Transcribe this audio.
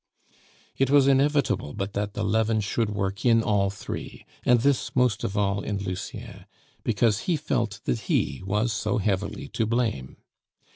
It was inevitable but that the leaven should work in all three; and this most of all in Lucien, because he felt that he was so heavily to blame.